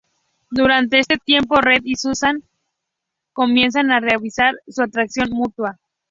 Durante este tiempo, Reed y Susan comienzan a reavivar su atracción mutua.